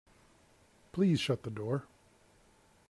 Please shut the door.